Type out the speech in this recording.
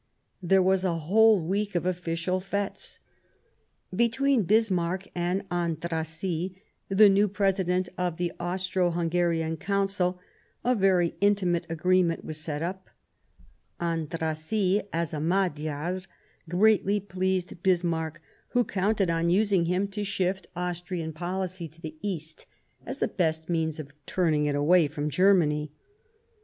There was a whole week of official fetes. Between Bismarck and Andrassy, the new President of the Austro Hungarian Council, a very intimate agreement was set up ; Andrassy, as a Magyar, greatly pleased Bismarck, who counted on using him to shift 168 The German Empire Austrian policy to the East as the best means of turning it away from Germany.